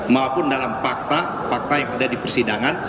maupun dalam fakta fakta yang ada di persidangan